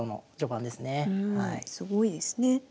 うんすごいですね。